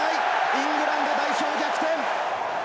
イングランド代表、逆転。